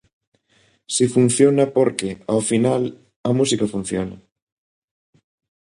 Si funciona porque, ao final, a música funciona.